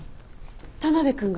田辺君が？